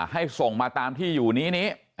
ส่งมาตามที่อยู่นี้นี้